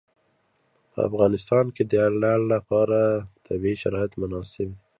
په افغانستان کې د لعل لپاره طبیعي شرایط مناسب دي.